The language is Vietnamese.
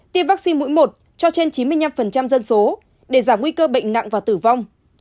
tiêm vaccine mũi một cho trên chín mươi năm dân số để giảm nguy cơ bệnh nặng và tử vong